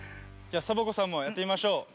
じゃサボ子さんもやってみましょう。